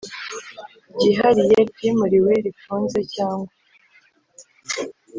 Ryihariye ryimuriwe rifunze cyangwa